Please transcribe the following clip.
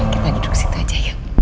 kita duduk disitu aja yuk